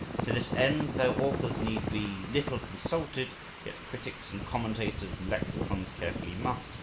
To this end, though authors need be little consulted, yet critics, and commentators, and lexicons carefully must.